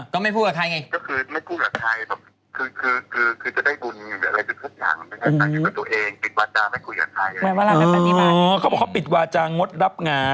ก็ไม่พูดกับใครไง